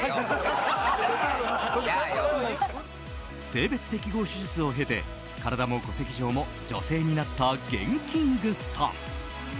性別適合手術を経て体も戸籍上も女性になったＧＥＮＫＩＮＧさん。